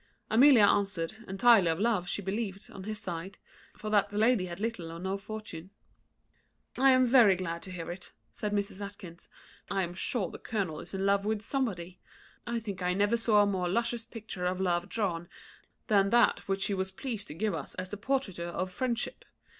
Amelia answered, entirely of love, she believed, on his side; for that the lady had little or no fortune. "I am very glad to hear it," said Mrs. Atkinson; "for I am sure the colonel is in love with somebody. I think I never saw a more luscious picture of love drawn than that which he was pleased to give us as the portraiture of friendship.